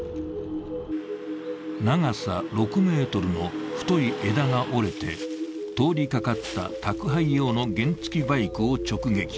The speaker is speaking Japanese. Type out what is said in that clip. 長さ６ｍの太い枝が折れて通りかかった宅配用の原付バイクを直撃。